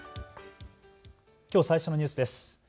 きょう最初のニュースです。